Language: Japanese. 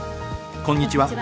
こんにちは。